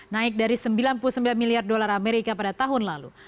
naik dari sembilan puluh sembilan miliar dolar amerika pada tahun lalu